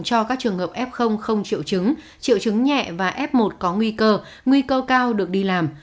cho các trường hợp f không triệu chứng triệu chứng nhẹ và f một có nguy cơ nguy cơ cao được đi làm